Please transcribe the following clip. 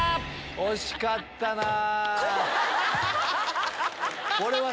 惜しかったなぁ。